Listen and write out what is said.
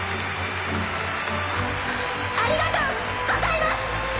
ありがとうございます！